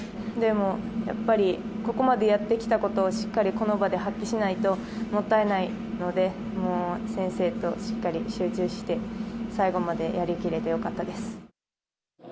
でも、やっぱりここまでやってきたことをしっかりこの場で発揮しないともったいないので、もう先生としっかり集中して、最後までやりきれてよかったです。